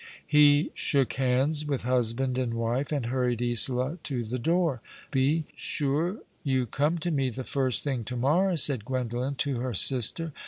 He shook hands with husband and wife and hurried Isola to the door. " Be sure you come to me the first thing to morrow," said Gwendolen to her sister.